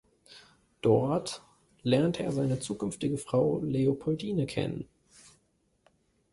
Dort lernte er seine zukünftige Frau Leopoldine kennen.